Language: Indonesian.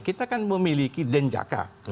kita kan memiliki denjaka